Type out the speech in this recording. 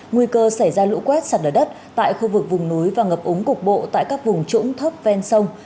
nguy cơ xảy ra lũ quét sặt ở đất tại khu vực vùng núi và ngập ống cục bộ tại các vùng trũng thấp ven sông